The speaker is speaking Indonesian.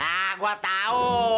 ah gua tau